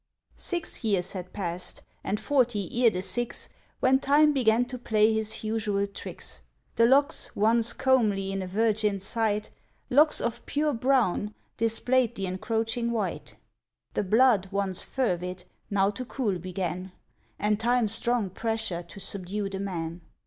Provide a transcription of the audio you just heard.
Six years had passed, and forty ere the six, When Time began to play his usual tricks: The locks once comely in a virgin's sight, Locks of pure brown, displayed the encroaching white; The blood, once fervid, now to cool began, And Time's strong pressure to subdue the man.